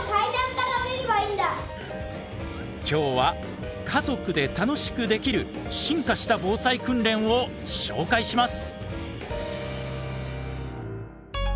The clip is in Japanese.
今日は家族で楽しくできる進化した「防災訓練」を紹介します。